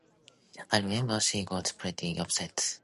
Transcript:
I remember she got pretty upset.